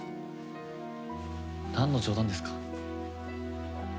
なんの冗談ですか？